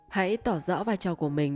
hãy tỏ rõ vai trò của mình